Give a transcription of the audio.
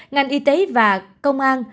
ngành y tế và công an